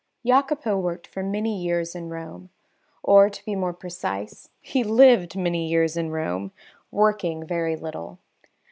Jacopo worked for many years in Rome, or, to be more precise, he lived many years in Rome, working very little.